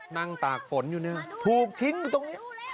นั่งตากฝนอยู่นี่ถูกทิ้งตรงนี้